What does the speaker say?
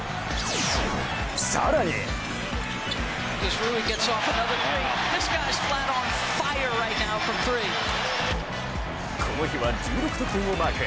更にこの日は１６得点をマーク。